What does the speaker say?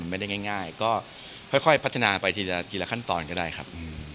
ไม่ได้ง่ายก็ค่อยพัฒนาไปทีละทีละขั้นตอนก็ได้ครับ